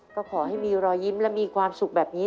ก็ขอให้มีรอยยิ้มและมีความสุขแบบนี้